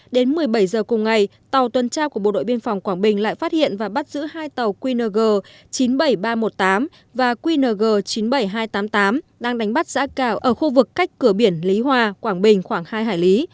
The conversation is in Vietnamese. đến một mươi bảy h cùng ngày tàu tuần tra của bộ đội biên phòng quảng bình lại phát hiện và bắt giữ hai tàu qng chín mươi bảy nghìn ba trăm một mươi tám và qng chín mươi bảy nghìn hai trăm tám mươi tám đang đánh bắt giã cào ở khu vực cách cửa biển lý hòa quảng bình khoảng hai hải lý